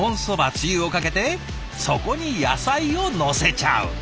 つゆをかけてそこに野菜をのせちゃう。